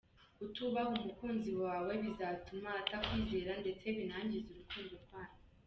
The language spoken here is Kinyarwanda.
Kutubaha umukunzi wawe bizatuma atakwizera ndetse binangize urukundo rwanyu.